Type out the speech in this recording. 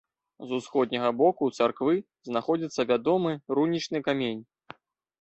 З усходняга боку царквы знаходзіцца вядомы рунічны камень.